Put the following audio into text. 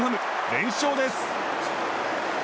連勝です。